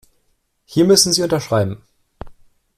Hier müssen Sie unterschreiben.